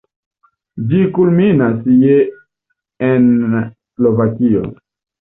Ĝi kulminas je en Slovakio.